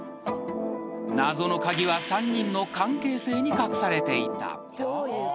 ［謎の鍵は３人の関係性に隠されていた］